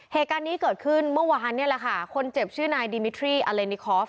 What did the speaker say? เหตุการณ์นี้เกิดขึ้นเมื่อวานเนี่ยแหละค่ะคนเจ็บชื่อนายดิมิทรี่อาเลนิคอฟ